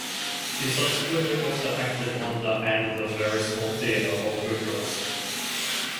She subsequently also acted on the and the Very Small Theatre of Bucharest.